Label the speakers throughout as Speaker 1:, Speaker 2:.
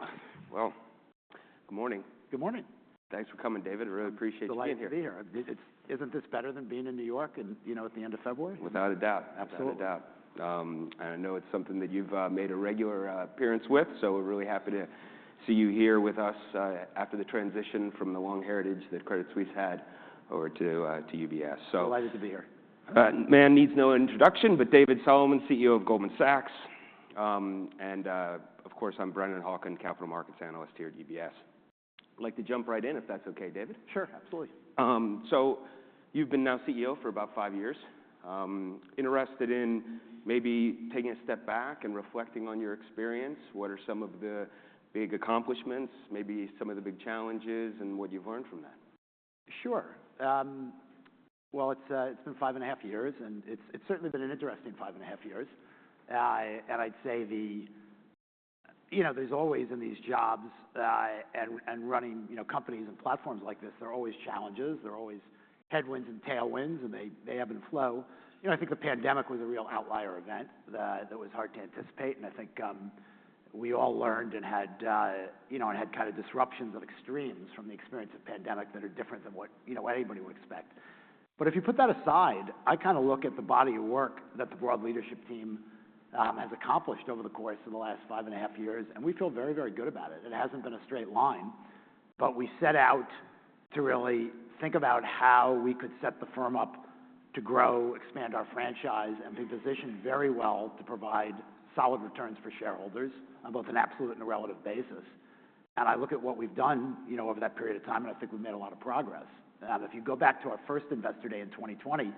Speaker 1: All right. Well, good morning.
Speaker 2: Good morning.
Speaker 1: Thanks for coming, David. I really appreciate you being here.
Speaker 2: Delighted to be here. Isn't this better than being in New York and, you know, at the end of February?
Speaker 1: Without a doubt.
Speaker 2: Absolutely.
Speaker 1: Without a doubt. I know it's something that you've made a regular appearance with, so we're really happy to see you here with us after the transition from the long heritage that Credit Suisse had over to UBS, so-
Speaker 2: Delighted to be here.
Speaker 1: Man needs no introduction, but David Solomon, CEO of Goldman Sachs. Of course, I'm Brennan Hawken, Capital Markets Analyst here at UBS. I'd like to jump right in, if that's okay, David?
Speaker 2: Sure, absolutely.
Speaker 1: So you've been now CEO for about five years. Interested in maybe taking a step back and reflecting on your experience. What are some of the big accomplishments, maybe some of the big challenges, and what you've learned from that?
Speaker 2: Sure. Well, it's been five and a half years, and it's certainly been an interesting five and a half years. And I'd say the... You know, there's always, in these jobs, and running, you know, companies and platforms like this, there are always challenges. There are always headwinds and tailwinds, and they ebb and flow. You know, I think the pandemic was a real outlier event that was hard to anticipate, and I think, we all learned and had, you know, and had kind of disruptions of extremes from the experience of pandemic that are different than what, you know, anybody would expect. But if you put that aside, I kinda look at the body of work that the broad leadership team has accomplished over the course of the last five and a half years, and we feel very, very good about it. It hasn't been a straight line, but we set out to really think about how we could set the firm up to grow, expand our franchise, and be positioned very well to provide solid returns for shareholders on both an absolute and a relative basis. And I look at what we've done, you know, over that period of time, and I think we've made a lot of progress. If you go back to our first Investor Day in 2020,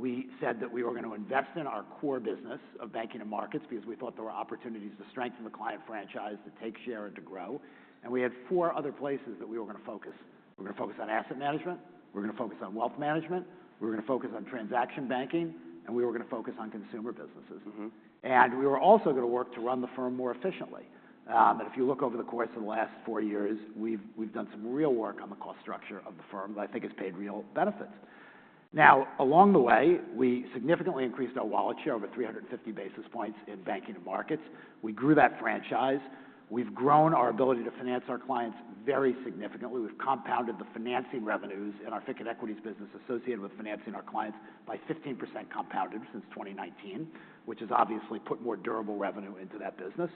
Speaker 2: we said that we were gonna invest in our core business of banking and markets because we thought there were opportunities to strengthen the client franchise, to take share, and to grow, and we had four other places that we were gonna focus. We're gonna focus on asset management, we're gonna focus on wealth management, we're gonna focus on transaction banking, and we were gonna focus on consumer businesses. And we were also gonna work to run the firm more efficiently. And if you look over the course of the last 4 years, we've done some real work on the cost structure of the firm that I think has paid real benefits. Now, along the way, we significantly increased our wallet share over 350 basis points in banking and markets. We grew that franchise. We've grown our ability to finance our clients very significantly. We've compounded the financing revenues in our FICC and equities business associated with financing our clients by 15% compounded since 2019, which has obviously put more durable revenue into that business.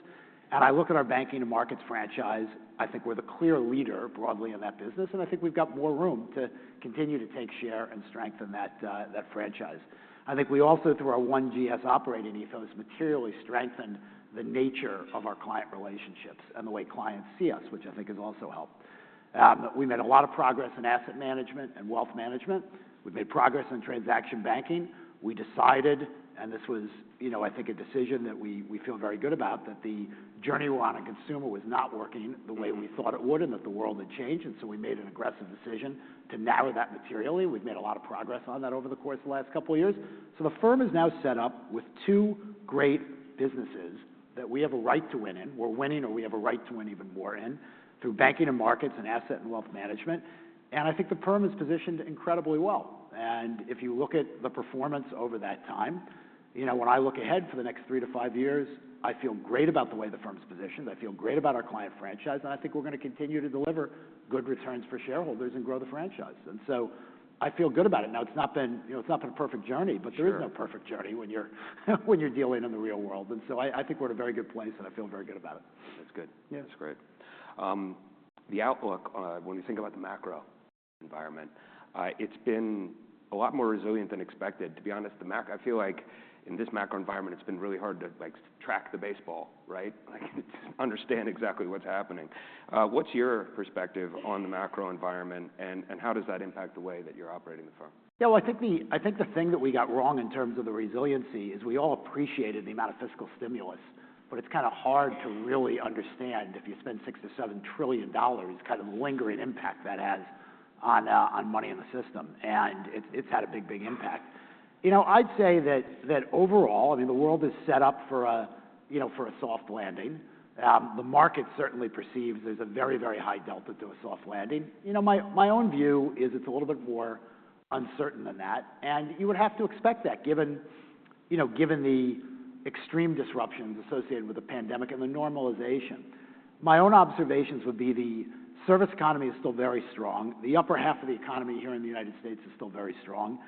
Speaker 2: And I look at our banking and markets franchise, I think we're the clear leader broadly in that business, and I think we've got more room to continue to take share and strengthen that franchise. I think we also, through our One GS operating ethos, materially strengthened the nature of our client relationships and the way clients see us, which I think has also helped. We made a lot of progress in asset management and wealth management. We've made progress in transaction banking. We decided, and this was, you know, I think, a decision that we, we feel very good about, that the journey we're on to consumer was not working the way we thought it would, and that the world had changed, and so we made an aggressive decision to narrow that materially. We've made a lot of progress on that over the course of the last couple of years. So the firm is now set up with two great businesses that we have a right to win in. We're winning, or we have a right to win even more in, through banking and markets, and Asset and Wealth Management. And I think the firm is positioned incredibly well. And if you look at the performance over that time, you know, when I look ahead for the next three to five years, I feel great about the way the firm's positioned. I feel great about our client franchise, and I think we're gonna continue to deliver good returns for shareholders and grow the franchise. And so I feel good about it. Now, it's not been, you know, it's not been a perfect journey-
Speaker 1: Sure...
Speaker 2: but there is no perfect journey when you're dealing in the real world. And so I think we're in a very good place, and I feel very good about it.
Speaker 1: That's good.
Speaker 2: Yeah.
Speaker 1: That's great. The outlook, when you think about the macro environment, it's been a lot more resilient than expected. To be honest, I feel like in this macro environment, it's been really hard to, like, track the baseball, right? Like, understand exactly what's happening. What's your perspective on the macro environment, and how does that impact the way that you're operating the firm?
Speaker 2: Yeah, well, I think the, I think the thing that we got wrong in terms of the resiliency is we all appreciated the amount of fiscal stimulus, but it's kinda hard to really understand, if you spend $6-$7 trillion, the kind of lingering impact that has on, on money in the system, and it's, it's had a big, big impact. You know, I'd say that, that overall, I mean, the world is set up for a, you know, for a soft landing. The market certainly perceives there's a very, very high delta to a soft landing. You know, my, my own view is it's a little bit more uncertain than that, and you would have to expect that given, you know, given the extreme disruptions associated with the pandemic and the normalization. My own observations would be the service economy is still very strong. The upper half of the economy here in the United States is still very strong.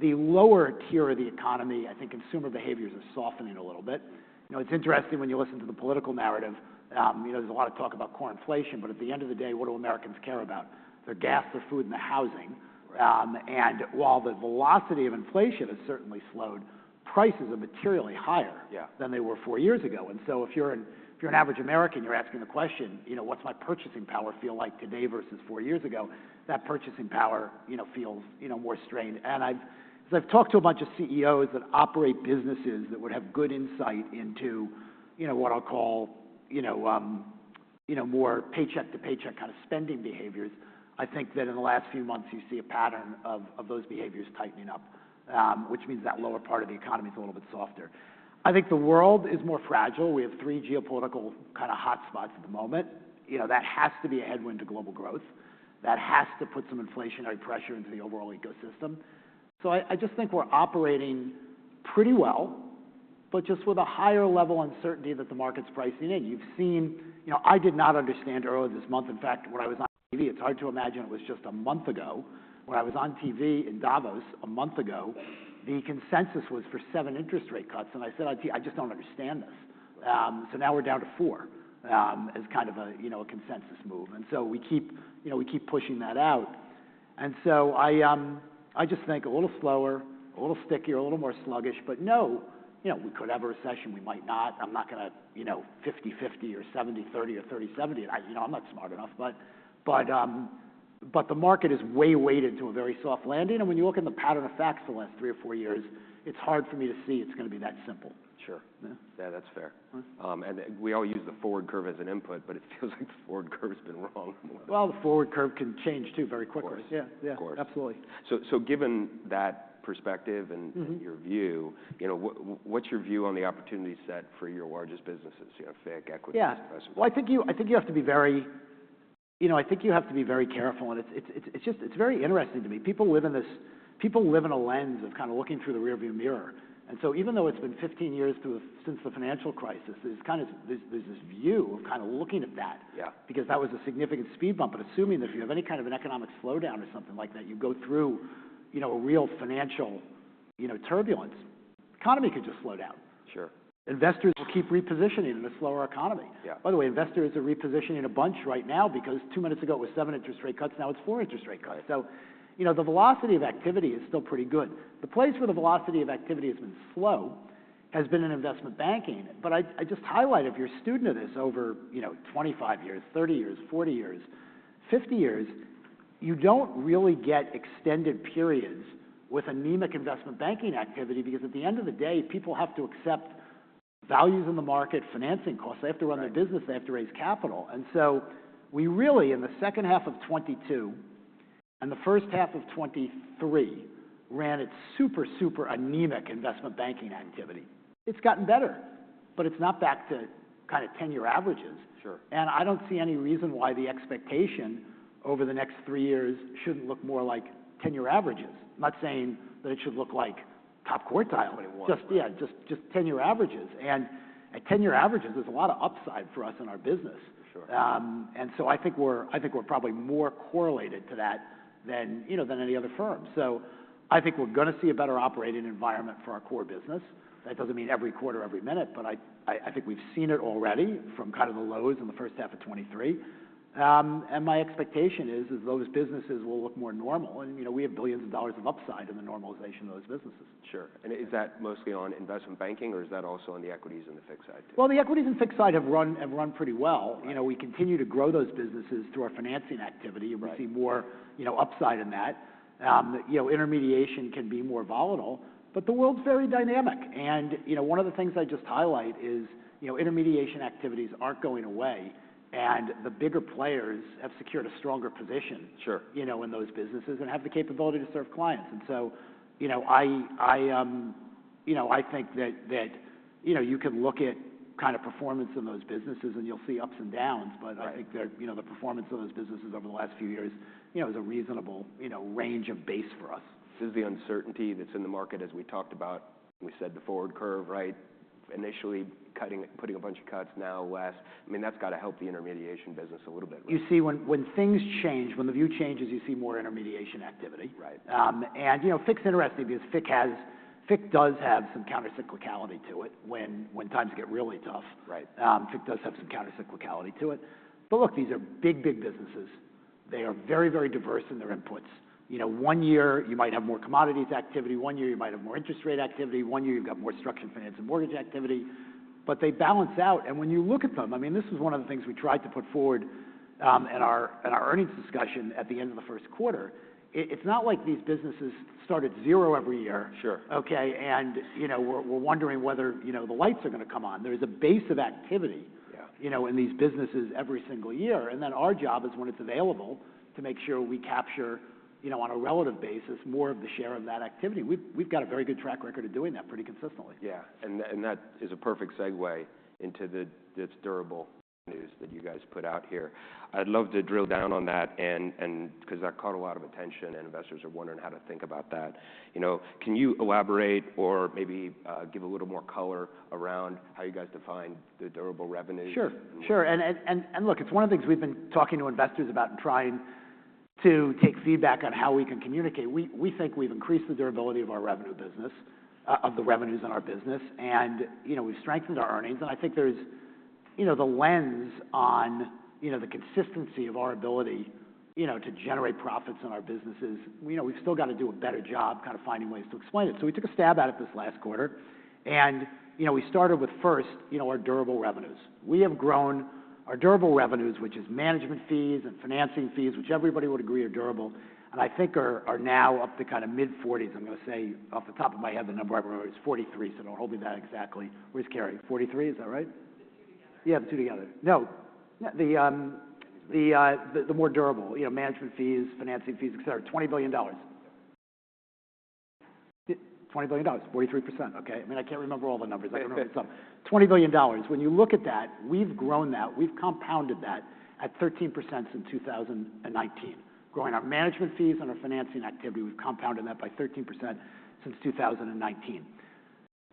Speaker 2: The lower tier of the economy, I think consumer behaviors are softening a little bit. You know, it's interesting when you listen to the political narrative, you know, there's a lot of talk about core inflation, but at the end of the day, what do Americans care about? Their gas, their food, and their housing. And while the velocity of inflation has certainly slowed, prices are materially higher-
Speaker 1: Yeah...
Speaker 2: than they were four years ago. And so if you're an average American, you're asking the question, you know, "What's my purchasing power feel like today versus four years ago?" That purchasing power, you know, feels, you know, more strained. And as I've talked to a bunch of CEOs that operate businesses that would have good insight into, you know, what I'll call, you know, more paycheck-to-paycheck kind of spending behaviors, I think that in the last few months, you see a pattern of those behaviors tightening up, which means that lower part of the economy is a little bit softer. I think the world is more fragile. We have three geopolitical kinda hot spots at the moment. You know, that has to be a headwind to global growth. That has to put some inflationary pressure into the overall ecosystem. So I, I just think we're operating pretty well, but just with a higher level of uncertainty that the market's pricing in. You've seen. You know, I did not understand earlier this month, in fact, when I was on TV, it's hard to imagine it was just a month ago, when I was on TV in Davos a month ago, the consensus was for 7 interest rate cuts, and I said, "I see, I just don't understand this." So now we're down to 4, as kind of a, you know, a consensus move. And so we keep, you know, we keep pushing that out. And so I just think a little slower, a little stickier, a little more sluggish. But no, you know, we could have a recession, we might not. I'm not gonna, you know, 50/50, or 70/30, or 30/70. You know, I'm not smart enough. But the market is way weighted to a very soft landing, and when you look in the pattern of facts the last three or four years, it's hard for me to see it's gonna be that simple.
Speaker 1: Sure.
Speaker 2: Yeah.
Speaker 1: Yeah, that's fair. We all use the forward curve as an input, but it feels like the forward curve's been wrong.
Speaker 2: Well, the forward curve can change too, very quickly.
Speaker 1: Of course.
Speaker 2: Yeah. Yeah. Absolutely.
Speaker 1: So, given that perspective-... and your view, you know, what's your view on the opportunity set for your largest businesses? You know, FICC, equity-
Speaker 2: Yeah
Speaker 1: -and investment.
Speaker 2: Well, I think you have to be very-- You know, I think you have to be very careful, and it's just very interesting to me. People live in a lens of kind of looking through the rearview mirror. So even though it's been 15 years since the financial crisis, there's this view of kind of looking at that-
Speaker 1: Yeah...
Speaker 2: because that was a significant speed bump. But assuming that if you have any kind of an economic slowdown or something like that, you go through, you know, a real financial, you know, turbulence. The economy could just slow down.
Speaker 1: Sure.
Speaker 2: Investors will keep repositioning in a slower economy.
Speaker 1: Yeah.
Speaker 2: By the way, investors are repositioning a bunch right now because 2 minutes ago it was 7 interest rate cuts; now it's 4 interest rate cuts. So you know, the velocity of activity is still pretty good. The place where the velocity of activity has been slow has been in investment banking. But I just highlight, if you're a student of this over, you know, 25 years, 30 years, 40 years, 50 years, you don't really get extended periods with anemic investment banking activity, because at the end of the day, people have to accept values in the market, financing costs.
Speaker 1: Right.
Speaker 2: They have to run their business, they have to raise capital. And so we really, in the second half of 2022 and the first half of 2023, ran it super, super anemic investment banking activity. It's gotten better, but it's not back to kind of 10-year averages.
Speaker 1: Sure.
Speaker 2: I don't see any reason why the expectation over the next three years shouldn't look more like ten-year averages. I'm not saying that it should look like top quartile- Just ten-year averages. At ten-year averages, there's a lot of upside for us in our business.
Speaker 1: Sure.
Speaker 2: And so I think we're, I think we're probably more correlated to that than, you know, than any other firm. So I think we're gonna see a better operating environment for our core business. That doesn't mean every quarter, every minute, but I think we've seen it already from kind of the lows in the first half of 2023. And my expectation is those businesses will look more normal, and, you know, we have $ billions of upside in the normalization of those businesses.
Speaker 1: Sure. And is that mostly on investment banking, or is that also on the equities and the FICC side too?
Speaker 2: Well, the equities and FICC side have run pretty well.
Speaker 1: Right.
Speaker 2: You know, we continue to grow those businesses through our financing activity-
Speaker 1: Right...
Speaker 2: and we see more, you know, upside in that. You know, intermediation can be more volatile, but the world's very dynamic. And you know, one of the things I just highlight is, you know, intermediation activities aren't going away, and the bigger players have secured a stronger position.
Speaker 1: Sure...
Speaker 2: you know, in those businesses and have the capability to serve clients. And so you know, you know, I think that you know, you can look at kind of performance in those businesses, and you'll see ups and downs. But I think that, you know, the performance of those businesses over the last few years, you know, is a reasonable, you know, range of base for us.
Speaker 1: This is the uncertainty that's in the market, as we talked about. We said the forward curve, right? Initially cutting, putting a bunch of cuts, now less. I mean, that's got to help the intermediation business a little bit.
Speaker 2: You see, when things change, when the view changes, you see more intermediation activity.
Speaker 1: Right.
Speaker 2: You know, FICC's interesting because FICC does have some countercyclicality to it. When times get really tough-
Speaker 1: Right...
Speaker 2: FICC does have some countercyclicality to it. But look, these are big, big businesses. They are very, very diverse in their inputs. You know, one year you might have more commodities activity, one year you might have more interest rate activity, one year you've got more structured finance and mortgage activity. But they balance out, and when you look at them... I mean, this is one of the things we tried to put forward at our earnings discussion at the end of the Q1. It's not like these businesses start at zero every year.
Speaker 1: Sure.
Speaker 2: Okay, and, you know, we're wondering whether, you know, the lights are gonna come on. There is a base of activity-
Speaker 1: Yeah...
Speaker 2: you know, in these businesses every single year. And then our job is when it's available, to make sure we capture, you know, on a relative basis, more of the share of that activity. We've, we've got a very good track record of doing that pretty consistently.
Speaker 1: Yeah. And that is a perfect segue into the this durable news that you guys put out here. I'd love to drill down on that and because that caught a lot of attention, and investors are wondering how to think about that. You know, can you elaborate or maybe give a little more color around how you guys define the durable revenue?
Speaker 2: Sure, sure. And look, it's one of the things we've been talking to investors about and trying to take feedback on how we can communicate. We think we've increased the durability of our revenue business, of the revenues in our business. And, you know, we've strengthened our earnings, and I think there's, you know, the lens on, you know, the consistency of our ability, you know, to generate profits in our businesses. You know, we've still got to do a better job kind of finding ways to explain it. So we took a stab at it this last quarter, and, you know, we started with first, you know, our durable revenues. We have grown our durable revenues, which is management fees and financing fees, which everybody would agree are durable, and I think are now up to kind of mid-40s. I'm gonna say, off the top of my head, the number I remember is 43, so don't hold me to that exactly. Where's Carey? 43, is that right?
Speaker 3: The two together.
Speaker 2: Yeah, the two together. No, the more durable, you know, management fees, financing fees, et cetera. $20 billion. $20 billion, 43%, okay? I mean, I can't remember all the numbers. I can remember some. $20 billion. When you look at that, we've grown that, we've compounded that at 13% since 2019. Growing our management fees and our financing activity, we've compounded that by 13% since 2019....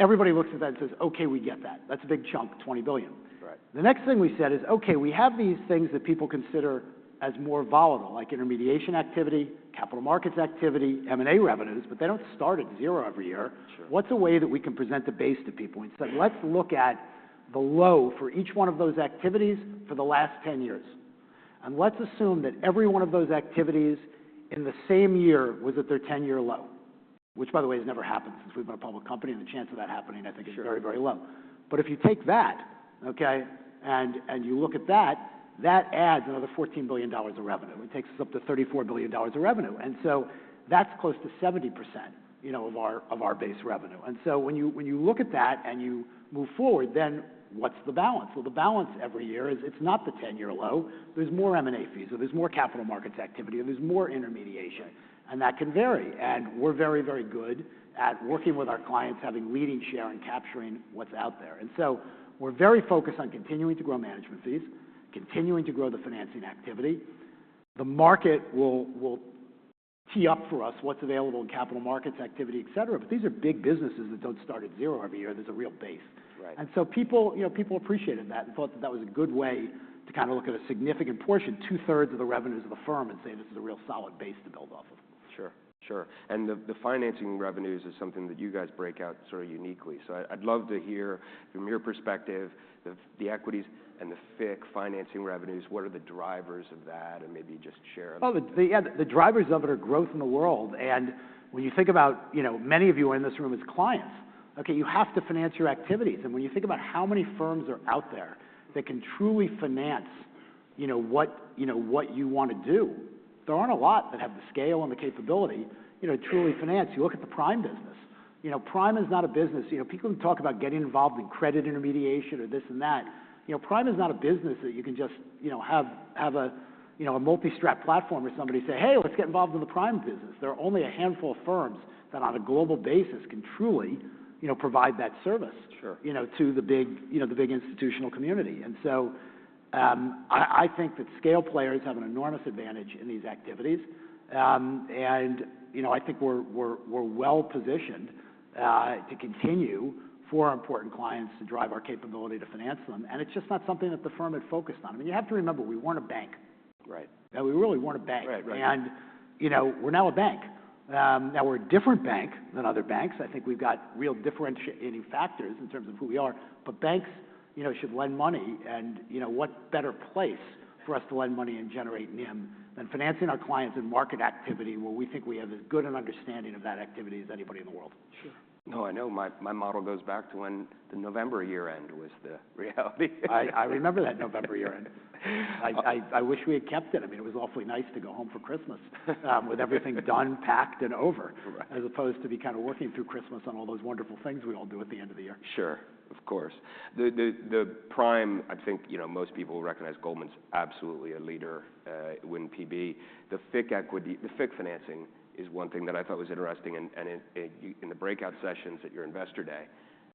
Speaker 2: Everybody looks at that and says, "Okay, we get that." That's a big chunk, $20 billion.
Speaker 1: Right.
Speaker 2: The next thing we said is, "Okay, we have these things that people consider as more volatile, like intermediation activity, capital markets activity, M&A revenues, but they don't start at zero every year.
Speaker 1: Sure.
Speaker 2: What's a way that we can present the base to people?
Speaker 1: Sure.
Speaker 2: We said, "Let's look at the low for each one of those activities for the last 10 years, and let's assume that every one of those activities in the same year was at their 10-year low," which, by the way, has never happened since we've been a public company, and the chance of that happening, I think-
Speaker 1: Sure...
Speaker 2: is very, very low. But if you take that, okay, and you look at that, that adds another $14 billion of revenue. It takes us up to $34 billion of revenue, and so that's close to 70%, you know, of our base revenue. And so when you look at that and you move forward, then what's the balance? Well, the balance every year is it's not the 10-year low. There's more M&A fees, or there's more capital markets activity, or there's more intermediation.
Speaker 1: Right.
Speaker 2: And that can vary, and we're very, very good at working with our clients, having leading share and capturing what's out there. And so we're very focused on continuing to grow management fees, continuing to grow the financing activity. The market will tee up for us what's available in capital markets activity, et cetera, but these are big businesses that don't start at zero every year. There's a real base.
Speaker 1: Right.
Speaker 2: And so people, you know, people appreciated that and thought that that was a good way to kind of look at a significant portion, two-thirds of the revenues of the firm, and say, "This is a real solid base to build off of.
Speaker 1: Sure, sure. And the financing revenues is something that you guys break out sort of uniquely. So I'd love to hear from your perspective, the equities and the FICC financing revenues, what are the drivers of that? And maybe just share-
Speaker 2: Well, yeah, the drivers of it are growth in the world, and when you think about... You know, many of you in this room is clients. Okay, you have to finance your activities, and when you think about how many firms are out there that can truly finance, you know, what, you know, what you want to do, there aren't a lot that have the scale and the capability, you know, to truly finance. You look at the prime business. You know, prime is not a business. You know, people who talk about getting involved in credit intermediation or this and that, you know, prime is not a business that you can just, you know, have a, you know, a multi-strap platform, or somebody say, "Hey, let's get involved in the prime business." There are only a handful of firms that, on a global basis, can truly, you know, provide that service-
Speaker 1: Sure...
Speaker 2: you know, to the big, you know, the big institutional community. And so, I think that scale players have an enormous advantage in these activities. And, you know, I think we're well-positioned to continue, for our important clients, to drive our capability to finance them, and it's just not something that the firm had focused on. I mean, you have to remember, we weren't a bank.
Speaker 1: Right.
Speaker 2: We really weren't a bank.
Speaker 1: Right. Right.
Speaker 2: you know, we're now a bank. Now we're a different bank than other banks. I think we've got real differentiating factors in terms of who we are, but banks, you know, should lend money, and, you know, what better place for us to lend money and generate NIM than financing our clients in market activity, where we think we have as good an understanding of that activity as anybody in the world?
Speaker 1: Sure. No, I know my, my model goes back to when the November year-end was the reality.
Speaker 2: I remember that November year-end. I wish we had kept it. I mean, it was awfully nice to go home for Christmas with everything done, packed, and over.
Speaker 1: Right.
Speaker 2: As opposed to be kind of working through Christmas on all those wonderful things we all do at the end of the year.
Speaker 1: Sure. Of course. The prime, I think, you know, most people recognize Goldman's absolutely a leader in PB. The FICC financing is one thing that I thought was interesting, and in the breakout sessions at your Investor Day,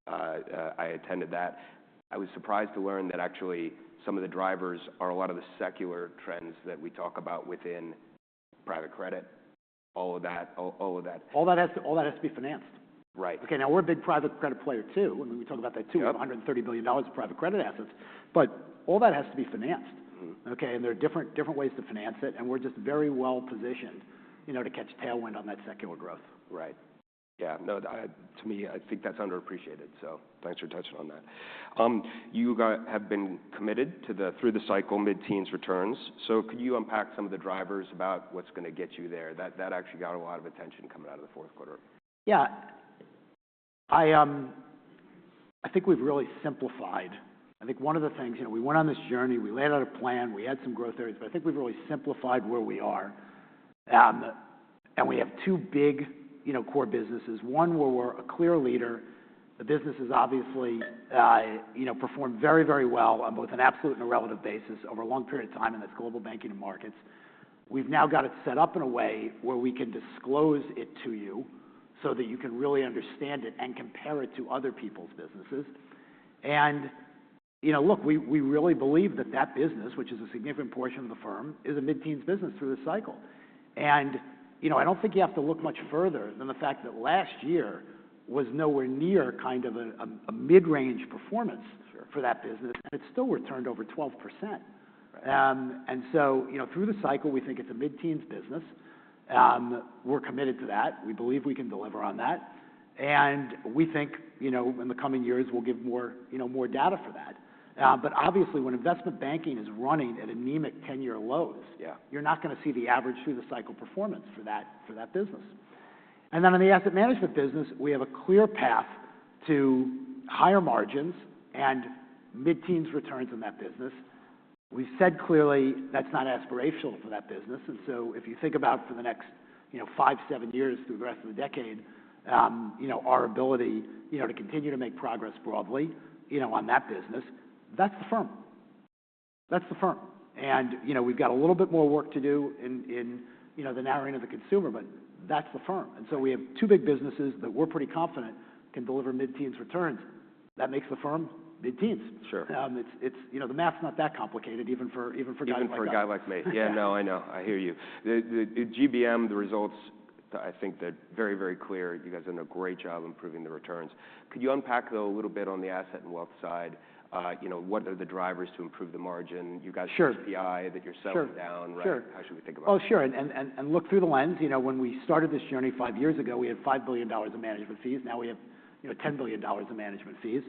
Speaker 1: I attended that. I was surprised to learn that actually some of the drivers are a lot of the secular trends that we talk about within private credit, all of that, all of that.
Speaker 2: All that has to be financed.
Speaker 1: Right.
Speaker 2: Okay, now we're a big private credit player, too, and we talked about that, too. $130 billion of private credit assets, but all that has to be financed. Okay? There are different, different ways to finance it, and we're just very well-positioned, you know, to catch tailwind on that secular growth.
Speaker 1: Right. Yeah, no. To me, I think that's underappreciated, so thanks for touching on that. You guys have been committed to the through-the-cycle mid-teens returns. So could you unpack some of the drivers about what's gonna get you there? That actually got a lot of attention coming out of the Q4.
Speaker 2: Yeah. I, I think we've really simplified. I think one of the things... You know, we went on this journey, we laid out a plan, we had some growth areas, but I think we've really simplified where we are. And we have two big, you know, core businesses. One, where we're a clear leader, the business has obviously, you know, performed very, very well on both an absolute and a relative basis over a long period of time, and that's Global Banking and Markets. We've now got it set up in a way where we can disclose it to you so that you can really understand it and compare it to other people's businesses. And, you know, look, we, we really believe that that business, which is a significant portion of the firm, is a mid-teens business through this cycle. You know, I don't think you have to look much further than the fact that last year was nowhere near kind of a mid-range performance-
Speaker 1: Sure...
Speaker 2: for that business, and it still returned over 12%. And so, you know, through the cycle, we think it's a mid-teens business. We're committed to that. We believe we can deliver on that. And we think, you know, in the coming years we'll give more, you know, more data for that.
Speaker 1: Yeah.
Speaker 2: but obviously, when investment banking is running at anemic 10-year lows-
Speaker 1: Yeah...
Speaker 2: you're not gonna see the average through-the-cycle performance for that, for that business. And then in the asset management business, we have a clear path to higher margins and mid-teens returns in that business. We've said clearly that's not aspirational for that business, and so if you think about for the next, you know, 5, 7 years through the rest of the decade, you know, our ability, you know, to continue to make progress broadly, you know, on that business, that's the firm. That's the firm. And, you know, we've got a little bit more work to do in, you know, the narrowing of the consumer, but that's the firm.
Speaker 1: Right.
Speaker 2: We have two big businesses that we're pretty confident can deliver mid-teens returns... that makes the firm mid-teens.
Speaker 1: Sure.
Speaker 2: It's, you know, the math's not that complicated, even for a guy like us.
Speaker 1: Even for a guy like me.
Speaker 2: Yeah.
Speaker 1: Yeah. No, I know. I hear you. The GBM, the results, I think they're very, very clear. You guys have done a great job improving the returns. Could you unpack, though, a little bit on the asset and wealth side? You know, what are the drivers to improve the margin?
Speaker 2: Sure.
Speaker 1: You guys have CIE that you're selling down-
Speaker 2: Sure.
Speaker 1: Right. How should we think about it?
Speaker 2: Oh, sure. And look through the lens. You know, when we started this journey 5 years ago, we had $5 billion in management fees. Now we have, you know, $10 billion in management fees.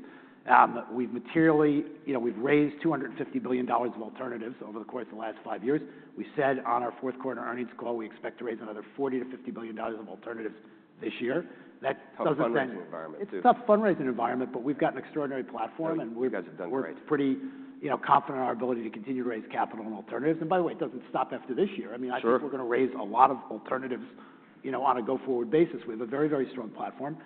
Speaker 2: We've materially. You know, we've raised $250 billion of alternatives over the course of the last 5 years. We said on our Q4 earnings call, we expect to raise another $40 billion-$50 billion of alternatives this year. That doesn't-
Speaker 1: Tough fundraising environment, too.
Speaker 2: It's a tough fundraising environment, but we've got an extraordinary platform, and-
Speaker 1: You guys have done great....
Speaker 2: we're pretty, you know, confident in our ability to continue to raise capital and alternatives. And by the way, it doesn't stop after this year.
Speaker 1: Sure.
Speaker 2: I mean, I think we're going to raise a lot of alternatives, you know, on a go-forward basis. We have a very, very strong platform.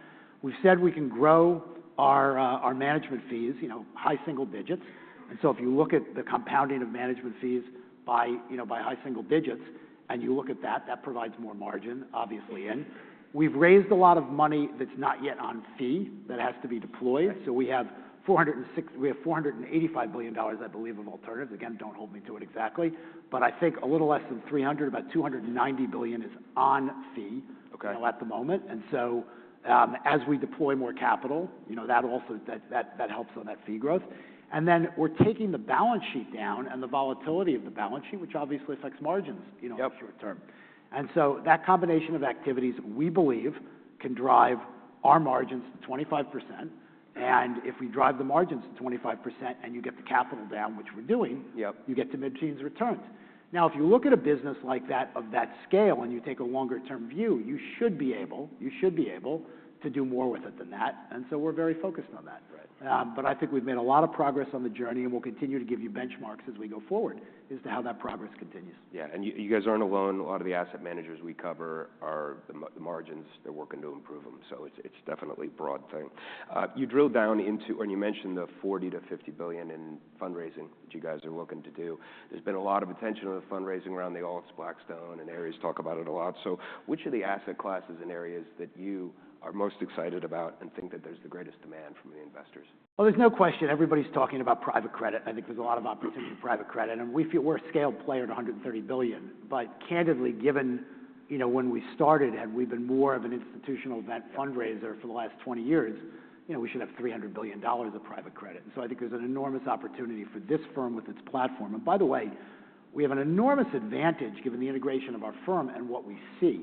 Speaker 2: We've said we can grow our, our management fees, you know, high single digits. And so if you look at the compounding of management fees by, you know, by high single digits, and you look at that, that provides more margin, obviously, in. We've raised a lot of money that's not yet on fee, that has to be deployed.
Speaker 1: Right.
Speaker 2: We have $485 billion, I believe, of alternatives. Again, don't hold me to it exactly, but I think a little less than $300 billion, about $290 billion is on fee-
Speaker 1: Okay...
Speaker 2: you know, at the moment. And so, as we deploy more capital, you know, that also helps on that fee growth. And then we're taking the balance sheet down and the volatility of the balance sheet, which obviously affects margins, you know-... short term. And so that combination of activities, we believe, can drive our margins to 25%. And if we drive the margins to 25% and you get the capital down, which we're doing-... you get to mid-teens returns. Now, if you look at a business like that, of that scale, and you take a longer-term view, you should be able, you should be able to do more with it than that, and so we're very focused on that.
Speaker 1: Right.
Speaker 2: But I think we've made a lot of progress on the journey, and we'll continue to give you benchmarks as we go forward as to how that progress continues.
Speaker 1: Yeah, and you, you guys aren't alone. A lot of the asset managers we cover are the margins, they're working to improve them, so it's, it's definitely a broad thing. You drilled down into when you mentioned the $40 billion-$50 billion in fundraising that you guys are looking to do. There's been a lot of attention on the fundraising around the alts, Blackstone, and Ares talk about it a lot. So which of the asset classes and areas that you are most excited about and think that there's the greatest demand from the investors?
Speaker 2: Well, there's no question, everybody's talking about private credit. I think there's a lot of opportunity for private credit, and we feel we're a scaled player at $130 billion. But candidly, given, you know, when we started and we've been more of an institutional event fundraiser for the last 20 years, you know, we should have $300 billion of private credit. And so I think there's an enormous opportunity for this firm with its platform. And by the way, we have an enormous advantage given the integration of our firm and what we see.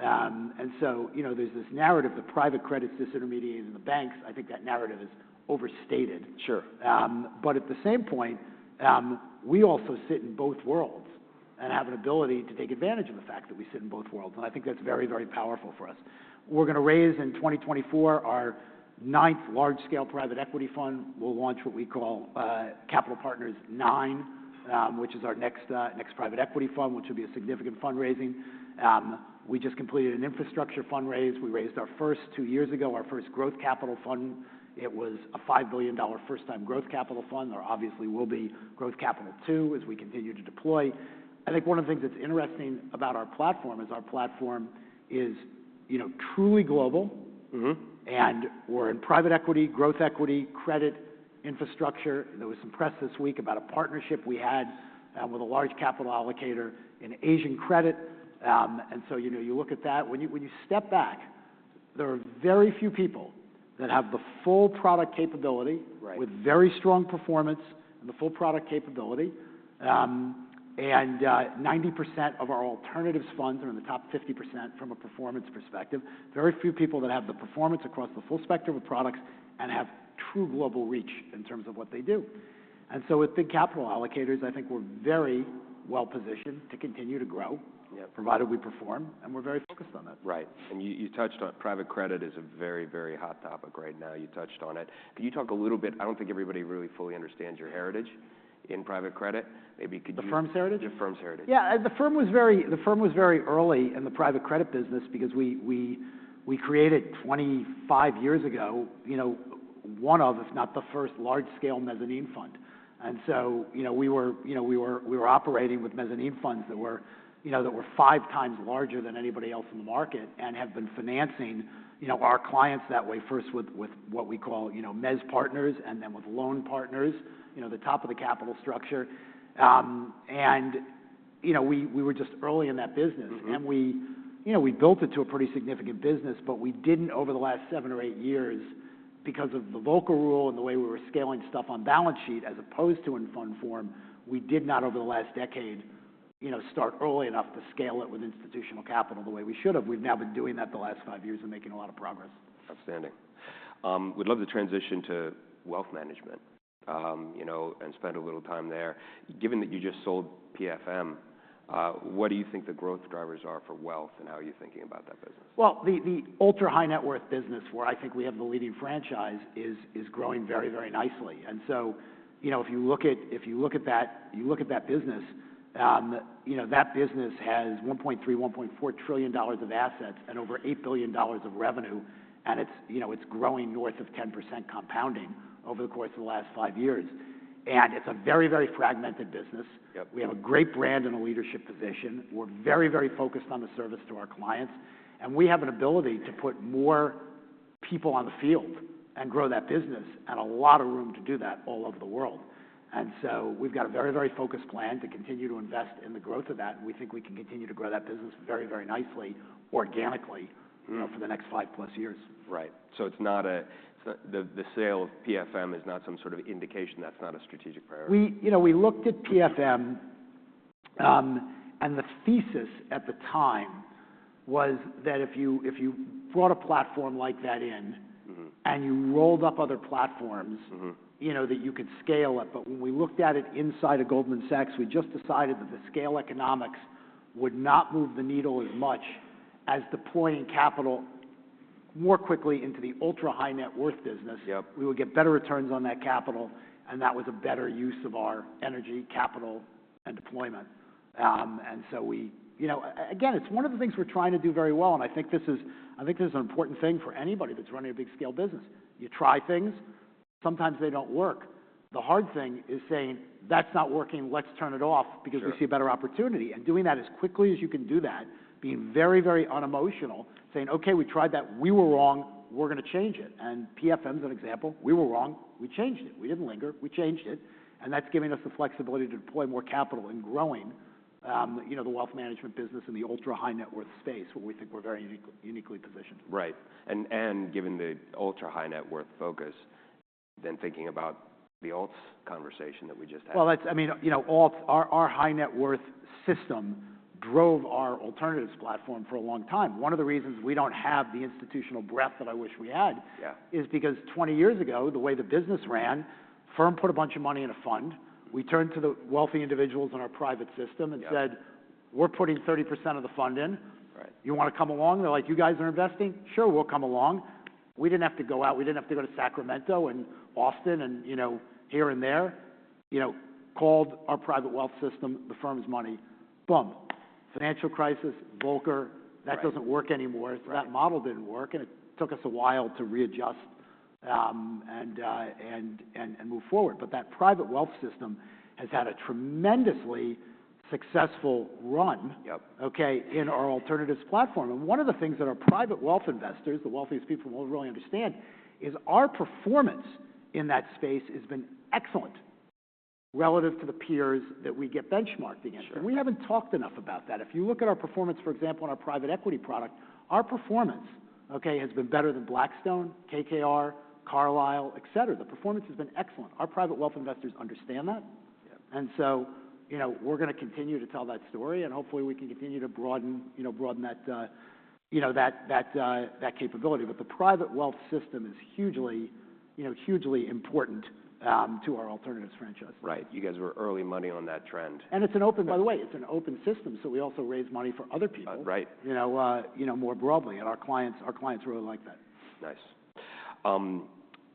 Speaker 2: And so, you know, there's this narrative, the private credit disintermediating the banks. I think that narrative is overstated.
Speaker 1: Sure.
Speaker 2: But at the same point, we also sit in both worlds and have an ability to take advantage of the fact that we sit in both worlds, and I think that's very, very powerful for us. We're going to raise, in 2024, our ninth large-scale private equity fund. We'll launch what we call, Capital Partners 9, which is our next, next private equity fund, which will be a significant fundraising. We just completed an infrastructure fundraise. We raised our first two years ago, our first growth capital fund. It was a $5 billion first-time growth capital fund. There obviously will be Growth Capital 2 as we continue to deploy. I think one of the things that's interesting about our platform is our platform is, you know, truly global. We're in private equity, growth equity, credit, infrastructure. There was some press this week about a partnership we had with a large capital allocator in Asian credit. So, you know, you look at that. When you, when you step back, there are very few people that have the full product capability-
Speaker 1: Right...
Speaker 2: with very strong performance and the full product capability. 90% of our alternatives funds are in the top 50% from a performance perspective. Very few people that have the performance across the full spectrum of products and have true global reach in terms of what they do. And so with big capital allocators, I think we're very well positioned to continue to grow-
Speaker 1: Yeah...
Speaker 2: provided we perform, and we're very focused on that.
Speaker 1: Right. You touched on private credit is a very, very hot topic right now. You touched on it. Can you talk a little bit... I don't think everybody really fully understands your heritage in private credit. Maybe could you-
Speaker 2: The firm's heritage?
Speaker 1: The firm's heritage.
Speaker 2: Yeah, the firm was very, the firm was very early in the private credit business because we created, 25 years ago, you know, one of, if not the first, large-scale mezzanine fund. And so, you know, we were operating with mezzanine funds that were five times larger than anybody else in the market and had been financing, you know, our clients that way, first with what we call, you know, Mezz Partners and then with Loan Partners, you know, the top of the capital structure. And, you know, we were just early in that business. We, you know, we built it to a pretty significant business, but we didn't over the last seven or eight years, because of the Volcker Rule and the way we were scaling stuff on balance sheet as opposed to in fund form, we did not, over the last decade, you know, start early enough to scale it with institutional capital the way we should have. We've now been doing that the last five years and making a lot of progress.
Speaker 1: Outstanding. Would love to transition to wealth management, you know, and spend a little time there. Given that you just sold PFM, what do you think the growth drivers are for wealth, and how are you thinking about that business?
Speaker 2: Well, the ultra-high net worth business, where I think we have the leading franchise, is growing very, very nicely. And so, you know, if you look at, if you look at that, you look at that business, you know, that business has $1.3-$1.4 trillion of assets and over $8 billion of revenue, and it's, you know, it's growing north of 10% compounding over the course of the last five years, and it's a very, very fragmented business.. We have a great brand and a leadership position. We're very, very focused on the service to our clients, and we have an ability to put more people on the field and grow that business, and a lot of room to do that all over the world. And so we've got a very, very focused plan to continue to invest in the growth of that, and we think we can continue to grow that business very, very nicely, organically- you know, for the next 5+ years.
Speaker 1: Right. So it's not the sale of PFM is not some sort of indication, that's not a strategic priority?
Speaker 2: We, you know, we looked at PFM, and the thesis at the time was that if you, if you brought a platform like that in-... and you rolled up other platforms- You know, that you could scale it. But when we looked at it inside of Goldman Sachs, we just decided that the scale economics would not move the needle as much as deploying capital more quickly into the ultra high net worth business. We would get better returns on that capital, and that was a better use of our energy, capital, and deployment. And so we... You know, again, it's one of the things we're trying to do very well, and I think this is, I think this is an important thing for anybody that's running a big scale business. You try things, sometimes they don't work. The hard thing is saying, "That's not working, let's turn it off-
Speaker 1: Sure
Speaker 2: because we see a better opportunity. And doing that as quickly as you can do that, being very, very unemotional, saying, "Okay, we tried that. We were wrong. We're gonna change it." And PFM is an example. We were wrong. We changed it. We didn't linger, we changed it, and that's giving us the flexibility to deploy more capital in growing, you know, the wealth management business in the ultra high net worth space, where we think we're very uniquely positioned.
Speaker 1: Right. And, and given the ultra high net worth focus, then thinking about the alts conversation that we just had.
Speaker 2: Well, that's... I mean, you know, alts, our, our high net worth system drove our alternatives platform for a long time. One of the reasons we don't have the institutional breadth that I wish we had-
Speaker 1: Yeah
Speaker 2: - is because 20 years ago, the way the business ran, firm put a bunch of money in a fund. We turned to the wealthy individuals in our private system-
Speaker 1: Yeah
Speaker 2: - and said, "We're putting 30% of the fund in.
Speaker 1: Right.
Speaker 2: You want to come along?" They're like: "You guys are investing? Sure, we'll come along." We didn't have to go out. We didn't have to go to Sacramento, and Austin, and, you know, here and there. You know, called our private wealth system, the firm's money, boom! Financial crisis, Volcker.
Speaker 1: Right.
Speaker 2: That doesn't work anymore.
Speaker 1: Right.
Speaker 2: That model didn't work, and it took us a while to readjust, and move forward. But that private wealth system has had a tremendously successful run Okay, in our alternatives platform. And one of the things that our private wealth investors, the wealthiest people, won't really understand is our performance in that space has been excellent relative to the peers that we get benchmarked against.
Speaker 1: Sure.
Speaker 2: We haven't talked enough about that. If you look at our performance, for example, on our private equity product, our performance, okay, has been better than Blackstone, KKR, Carlyle, et cetera. The performance has been excellent. Our private wealth investors understand that. And so, you know, we're gonna continue to tell that story, and hopefully, we can continue to broaden, you know, broaden that capability. But the private wealth system is hugely, you know, hugely important to our alternatives franchise.
Speaker 1: Right. You guys were early money on that trend.
Speaker 2: By the way, it's an open system, so we also raise money for other people.
Speaker 1: Uh, right...
Speaker 2: you know, you know, more broadly, and our clients, our clients really like that.
Speaker 1: Nice.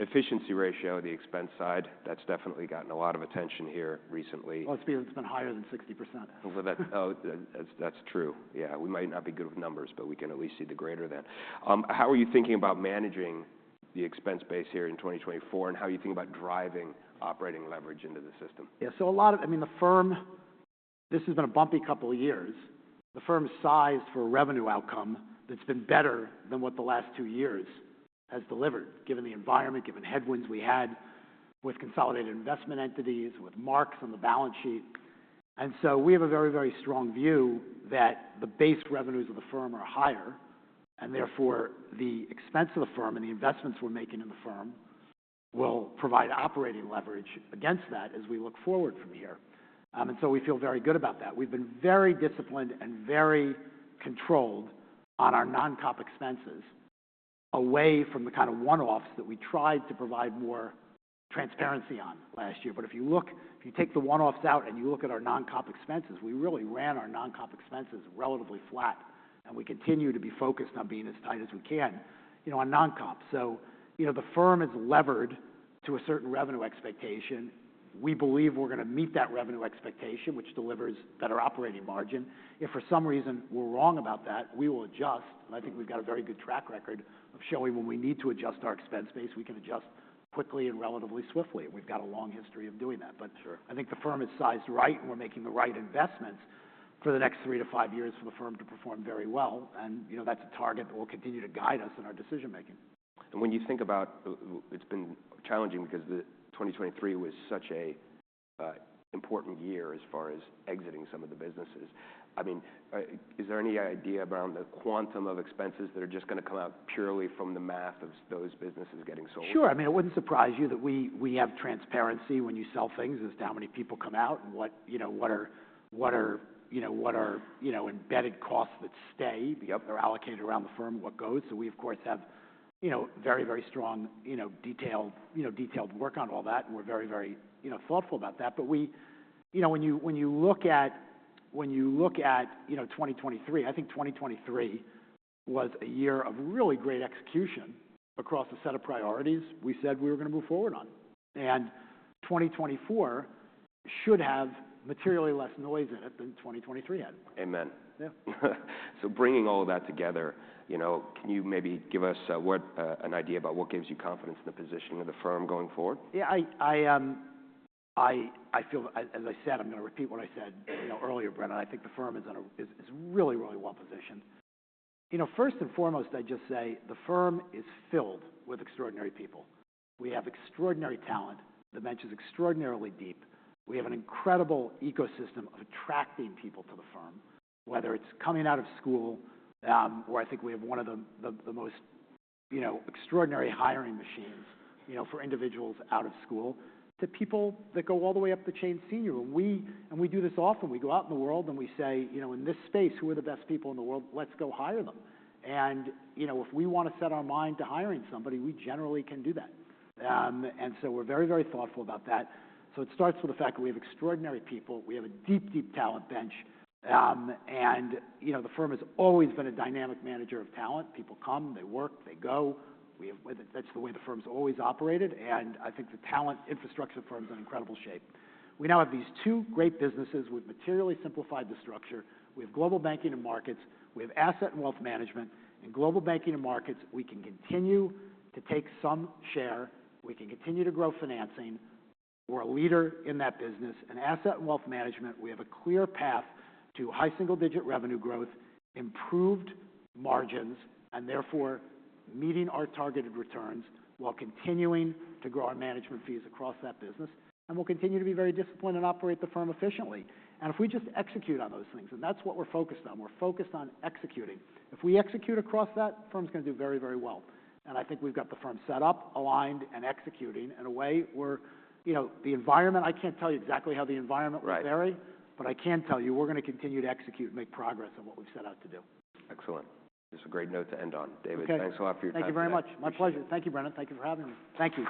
Speaker 1: Efficiency ratio, the expense side, that's definitely gotten a lot of attention here recently.
Speaker 2: Well, it's been, it's been higher than 60%.
Speaker 1: Well, that's true. Yeah, we might not be good with numbers, but we can at least see the greater than. How are you thinking about managing the expense base here in 2024, and how are you thinking about driving operating leverage into the system?
Speaker 2: Yeah, so a lot of... I mean, the firm, this has been a bumpy couple of years. The firm's sized for a revenue outcome that's been better than what the last two years has delivered, given the environment, given headwinds we had with consolidated investment entities, with marks on the balance sheet. And so we have a very, very strong view that the base revenues of the firm are higher, and therefore, the expense of the firm and the investments we're making in the firm will provide operating leverage against that as we look forward from here. And so we feel very good about that. We've been very disciplined and very controlled on our non-comp expenses, away from the kind of one-offs that we tried to provide more transparency on last year. But if you look if you take the one-offs out, and you look at our non-comp expenses, we really ran our non-comp expenses relatively flat, and we continue to be focused on being as tight as we can, you know, on non-comp. So you know, the firm is levered to a certain revenue expectation. We believe we're gonna meet that revenue expectation, which delivers better operating margin. If for some reason we're wrong about that, we will adjust, and I think we've got a very good track record of showing when we need to adjust our expense base, we can adjust quickly and relatively swiftly. We've got a long history of doing that.
Speaker 1: Sure.
Speaker 2: But I think the firm is sized right, and we're making the right investments for the next 3-5 years for the firm to perform very well. And, you know, that's a target that will continue to guide us in our decision making.
Speaker 1: When you think about... it's been challenging because 2023 was such a, important year as far as exiting some of the businesses. I mean, is there any idea around the quantum of expenses that are just gonna come out purely from the math of those businesses getting sold?
Speaker 2: Sure. I mean, it wouldn't surprise you that we have transparency when you sell things as to how many people come out and what, you know, what are embedded costs that stay-... or allocated around the firm, what goes. So we, of course, have, you know, very, very strong, you know, detailed, you know, detailed work on all that, and we're very, very, you know, thoughtful about that. But we- you know, when you, when you look at, when you look at, you know, 2023, I think 2023 was a year of really great execution across a set of priorities we said we were gonna move forward on. And 2024-... should have materially less noise in it than 2023 had.
Speaker 1: Amen.
Speaker 2: Yeah.
Speaker 1: So bringing all of that together, you know, can you maybe give us, what, an idea about what gives you confidence in the positioning of the firm going forward?
Speaker 2: Yeah, I feel, as I said, I'm gonna repeat what I said, you know, earlier, Brennan. I think the firm is really, really well positioned. You know, first and foremost, I'd just say the firm is filled with extraordinary people. We have extraordinary talent. The bench is extraordinarily deep. We have an incredible ecosystem of attracting people to the firm, whether it's coming out of school, where I think we have one of the most, you know, extraordinary hiring machines, you know, for individuals out of school, to people that go all the way up the chain, senior. We and we do this often. We go out in the world, and we say, "You know, in this space, who are the best people in the world? Let's go hire them," you know, if we want to set our mind to hiring somebody, we generally can do that. And so we're very, very thoughtful about that. So it starts with the fact that we have extraordinary people. We have a deep, deep talent bench. And, you know, the firm has always been a dynamic manager of talent. People come, they work, they go. We have. That's the way the firm's always operated, and I think the talent infrastructure of the firm's in incredible shape. We now have these two great businesses. We've materially simplified the structure. We have Global Banking and Markets. We have Asset and Wealth Management. In Global Banking and Markets, we can continue to take some share, we can continue to grow financing. We're a leader in that business. In Asset and Wealth Management, we have a clear path to high single-digit revenue growth, improved margins, and therefore meeting our targeted returns, while continuing to grow our management fees across that business, and we'll continue to be very disciplined and operate the firm efficiently. And if we just execute on those things, and that's what we're focused on, we're focused on executing. If we execute across that, firm's gonna do very, very well. And I think we've got the firm set up, aligned, and executing in a way where... You know, the environment, I can't tell you exactly how the environment will vary.
Speaker 1: Right.
Speaker 2: I can tell you, we're gonna continue to execute and make progress on what we've set out to do.
Speaker 1: Excellent. That's a great note to end on.
Speaker 2: Okay.
Speaker 1: David, thanks a lot for your time today.
Speaker 2: Thank you very much.
Speaker 1: My pleasure.
Speaker 2: Thank you, Brennan. Thank you for having me. Thank you.